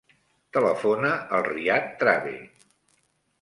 Telefona al Riad Trave.